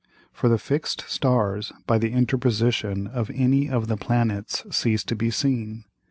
For the fix'd Stars by the Interposition of any of the Planets cease to be seen.